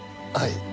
はい。